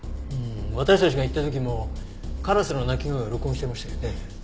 私たちが行った時もカラスの鳴き声を録音してましたよね。